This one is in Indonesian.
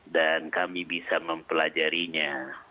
dan kami bisa mempelajarinya